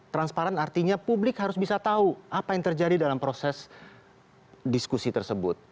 transparan artinya publik harus bisa tahu apa yang terjadi dalam proses diskusi tersebut